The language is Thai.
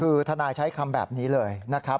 คือทนายใช้คำแบบนี้เลยนะครับ